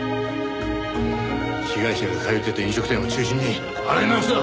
被害者が通っていた飲食店を中心に洗い直しだ！